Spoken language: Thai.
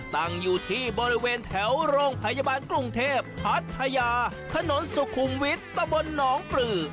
ตั้งอยู่ที่บริเวณแถวโรงพยาบาลกรุงเทพพัทยาถนนสุขุมวิทย์ตะบนหนองปลือ